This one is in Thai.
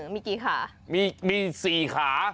มีกี่ขามี๔ขา